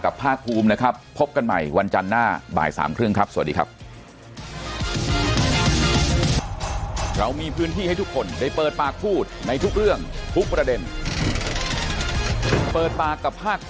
กับผ้าคูมนะครับพบกันใหม่วันจันทร์หน้าบ่ายสามครึ่งครับ